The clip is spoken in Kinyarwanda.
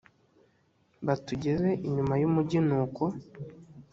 batugeza inyuma y umugi nuko